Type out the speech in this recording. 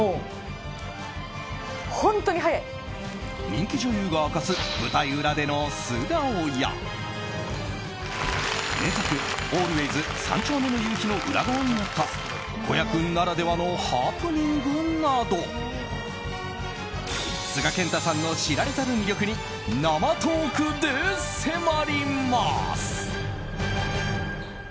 人気女優が明かす舞台裏での素顔や名作「ＡＬＷＡＹＳ三丁目の夕日」の裏側にあった子役ならではのハプニングなど須賀健太さんの知られざる魅力に生トークで迫ります。